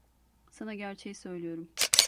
Sana gerçeği söylüyorum.